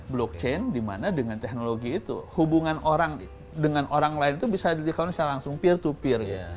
blockchain dimana dengan teknologi itu hubungan orang dengan orang lain itu bisa di recount secara langsung peer to peer